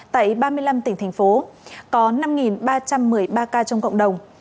tại ba mươi năm tỉnh thành phố có năm ba trăm một mươi ba ca trong cộng đồng